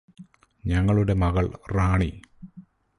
ഞങ്ങളുടെ മകൾ റാണി